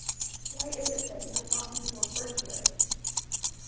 Why is it that you have not even referred to it?"